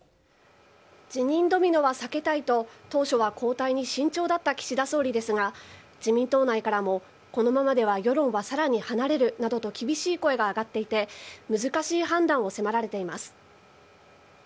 辞任ドミノは避けたいと、当初は交代に慎重だった岸田総理ですが、自民党内からもこのままでは世論はさらに離れるなどと厳しい声が上がっていて、難しい判断を迫られています。